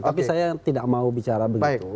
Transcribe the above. tapi saya tidak mau bicara begitu